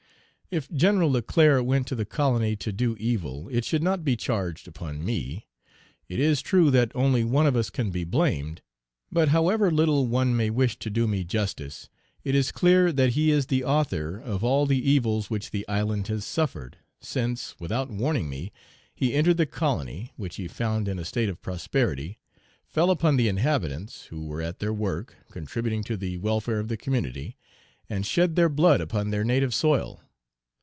If Gen. Leclerc went to the colony to do evil, it should not be charged upon me. It is true that only one of us can be blamed; but however little one may wish to do me justice, it is clear that he is the author of all the evils which the island has suffered, since, without warning me, he entered the colony, which he found in a state of prosperity, fell upon the inhabitants, who were at their work, contributing to the welfare of the community, and shed their blood upon their native soil.